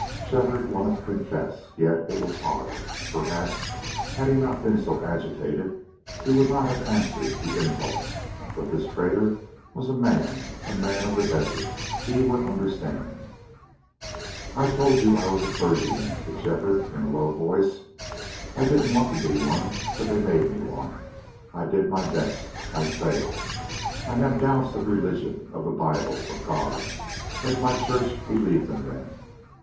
Shefford wanted to confess, yet it was hard. Perhaps, had he not been so agitated, he would not have answered to impulse. But this trader was a man a man of the desert he would understand. "I told you I was a clergyman," said Shefford in low voice. "I didn't want to be one, but they made me one. I did my best. I failed.... I had doubts of religion of the Bible of God, as my Church believed in them.